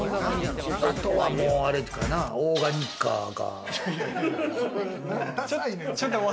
あとはもうあれかな、オーガダサいねん。